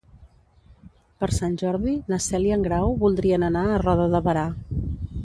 Per Sant Jordi na Cel i en Grau voldrien anar a Roda de Berà.